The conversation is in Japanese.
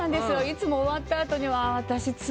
いつも終わったあとにあ